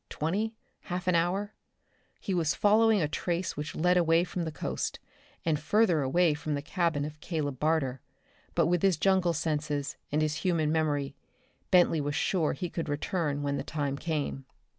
Twenty. Half an hour. He was following a trace which led away from the coast, and further away from the cabin of Caleb Barter. But with his jungle senses, and his human memory, Bentley was sure he could return when the time came.